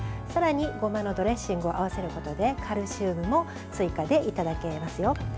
さらに、ごまのドレッシングを合わせることでカルシウムも追加でいただけますよ。